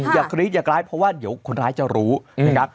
อย่าคลิกอย่ากร้ายเพราะว่าเดี๋ยวคนร้ายจะรู้นะครับ